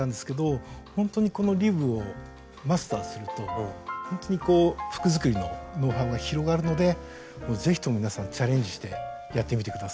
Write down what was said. ほんとにこのリブをマスターするとほんとにこう服作りのノウハウが広がるのでもう是非とも皆さんチャレンジしてやってみて下さい。